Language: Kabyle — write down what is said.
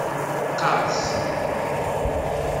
Qqers.